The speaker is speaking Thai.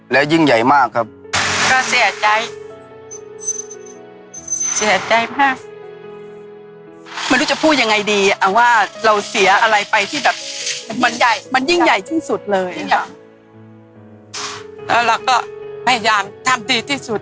แล้วเราก็พยายามทำดีที่สุด